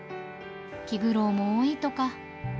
気苦労も多いとか。